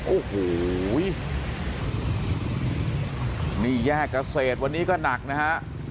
โอ้โหนี่แยกเกษตรวันนี้ก็หนักนะฮะ